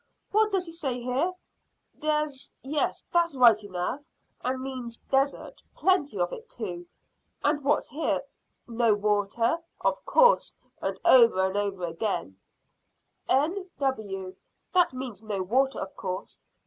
What does he say here? `Des ' Yes, that's right enough, and means desert. Plenty of it too. And what's here? `No water.' Of course, and over and over again, `N.W.' That means no water, of course.